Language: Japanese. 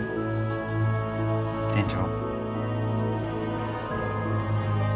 店長。